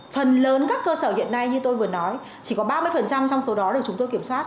phần lớn các cơ sở hiện nay như tôi vừa nói chỉ có ba mươi trong số đó được chúng tôi kiểm soát